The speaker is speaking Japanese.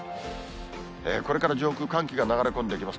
これから上空、寒気が流れ込んできます。